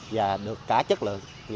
và được cả chất lượng